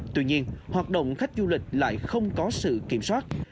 tuy nhiên hoạt động khách du lịch lại không có sự kiểm soát